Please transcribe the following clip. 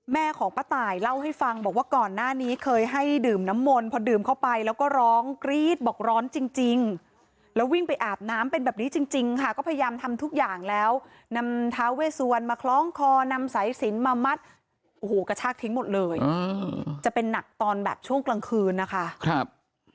แม่ของป้าตายเล่าให้ฟังบอกว่าก่อนหน้านี้เคยให้ดื่มน้ำมนต์พอดื่มเข้าไปแล้วก็ร้องกรี๊ดบอกร้อนจริงแล้ววิ่งไปอาบน้ำเป็นแบบนี้จริงค่ะก็พยายามทำทุกอย่างแล้วนำท้าเวสวรรณมาคล้องคอนำสายสินมามัดโอ้โหกระชากทิ้งหมดเลยจะเป็นหนักตอนแบบช่วงกลางคืนนะคะครับ